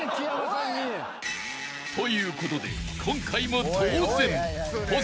［ということで今回も当然］